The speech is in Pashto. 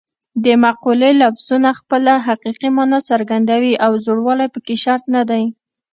د مقولې لفظونه خپله حقیقي مانا څرګندوي او زوړوالی پکې شرط نه دی